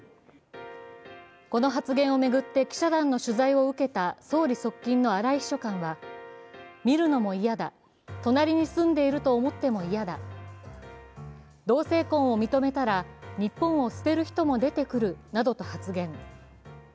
この発言を巡って記者団の取材を受けた総理側近の荒井秘書官は見るのも嫌だ、隣に住んでいると思っても嫌だ、同性婚を認めたら日本を捨てる人も出てくるなどと発言。